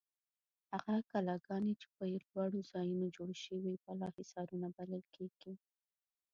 هغه کلاګانې چې په لوړو ځایونو جوړې شوې بالاحصارونه بلل کیږي.